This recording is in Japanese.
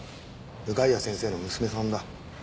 向谷先生の娘さんだ。